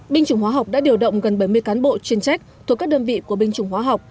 binh chủng hóa học đã điều động gần bảy mươi cán bộ chuyên trách thuộc các đơn vị của binh chủng hóa học